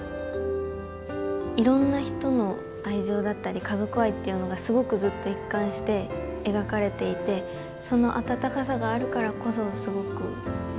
いろんな人の愛情だったり家族愛っていうのがすごくずっと一貫して描かれていてその温かさがあるからこそすごく胸に届くような作品になっていると思うので。